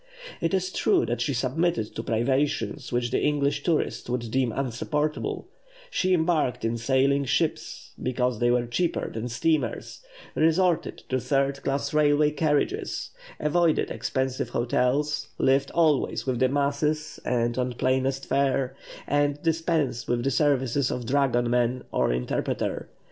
It is true that she submitted to privations which the English tourist would deem insupportable; she embarked in sailing ships because they were cheaper than steamers; resorted to third class railway carriages; avoided expensive hotels; lived always with the "masses" and on plainest fare; and dispensed with the services of dragoman or interpreter.